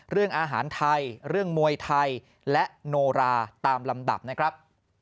เรื่องอาหารไทยเรื่องมวยไทยและโนราตามลำดับนะครับ